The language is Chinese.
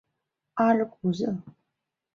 阿尔古热。